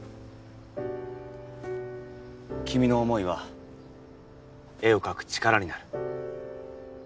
君の思いは絵を描く力になる。